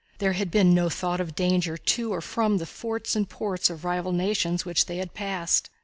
There had been no thought of danger to or from the forts and ports of rival nations which they had passed.